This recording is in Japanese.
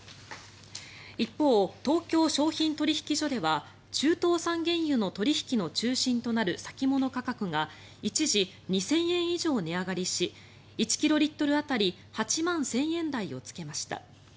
一方、東京商品取引所では中東産原油の取引の中心となる先物価格が一時、２０００円以上値上がりし１キロリットル当たり８万１０００円台をつけました。